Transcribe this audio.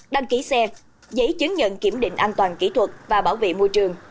đăng ký xe giấy chứng nhận kiểm định an toàn kỹ thuật và bảo vệ môi trường